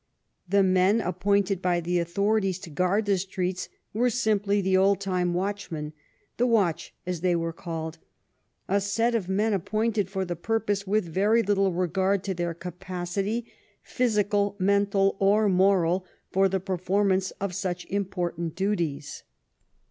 The men appointed by the authorities to guard the streets were simply the old time watch men, the " Watch," as they were called — a set of men appointed for the purpose with very little regard to their capacity, physical, mental, or moral, for the performance of such important duties.